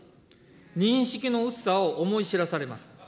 認識の薄さを思い知らされます。